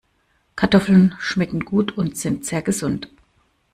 Kartoffeln schmecken gut und sind sehr gesund.